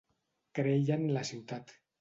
Creia en la ciutat.